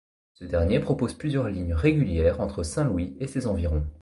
Ce dernier propose plusieurs lignes régulières entre Saint-Louis et ses environs.